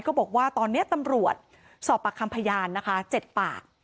บอกว่าตอนนี้ตำรวจสอบปากคำพยานนะคะ๗ปาก